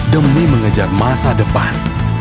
demi mengejar masa depan